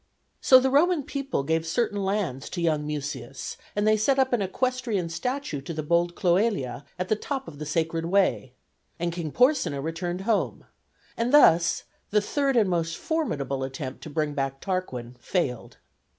So the Roman people gave certain lands to young Mucius, and they set up an equestrian statue to the bold Cloelia at the top of the Sacred Way. And King Porsenna returned home; and thus the third and most formidable attempt to bring back Tarquin failed.